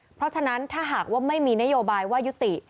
เพราะฉะนั้นถ้าหากว่าไม่มีนโยบายว่ายุติ